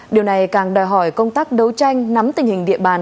điều này càng đòi hỏi công tác đấu tranh nắm tình hình địa bàn